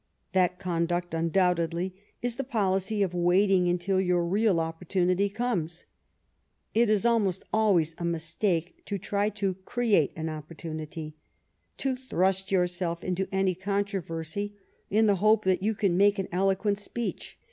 That conduct undoubtedly is the policy of waiting until your real opportunity comes. It is almost always a mistake to try to create an opportunity — to thrust yourself into any controversy in the hope that you can make an eloquent speech.